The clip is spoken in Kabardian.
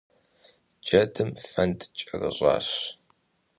Джэдым фэнд кӀэрыщӀащ.